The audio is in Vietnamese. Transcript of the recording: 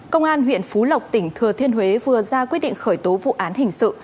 công an huyện phú lộc tỉnh thừa thiên huế vừa ra quyết định khởi tố vụ án hình sự